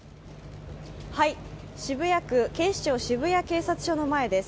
渋谷区警視庁渋谷警察署の前です。